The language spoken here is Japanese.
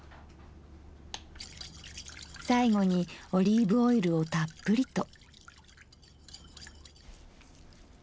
最後にオリーブオイルをたっぷりと。